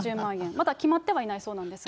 まだ決まってはいないそうなんですが。